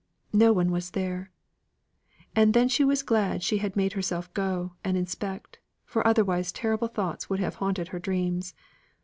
No one was there; and then she was glad she had made herself go, and inspect, for otherwise terrible thoughts would have haunted her dreams.